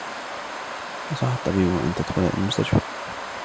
نصحها الطبيب بأن تدخل إلى المستشفى.